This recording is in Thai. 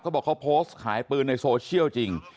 บอกเขาโพสต์ขายปืนในโซเชียลจริง